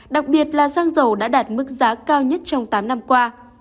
đặc biệt là xăng dầu đã đạt mức giá cao nhất trong tám năm qua